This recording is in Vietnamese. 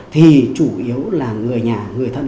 thì chủ yếu là người nhà người thân